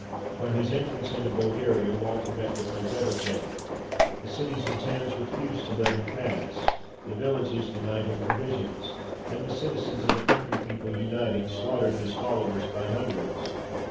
On his entrance into Bulgaria, Walter met with no better fate. The cities and towns refused to let him pass; the villages denied him provisions; and the citizens and country people uniting, slaughtered his followers by hundreds.